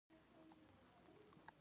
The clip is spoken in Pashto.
پکتيا کی د څیړۍ ونی ځنګلونه شته دی.